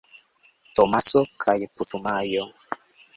Tomaso kaj Putumajo.